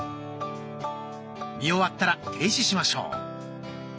見終わったら停止しましょう。